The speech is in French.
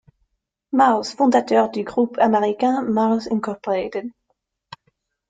Mars, fondateur du groupe américain Mars Incorporated.